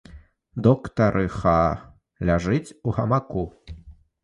Доктарыха ляжыць у гамаку.